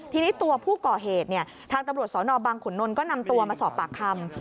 ทีนี้ตัวผู้ก่อเหตุเนี่ยทางตำรวจสนบังขุนนลก็นำตัวมาสอบปากคำ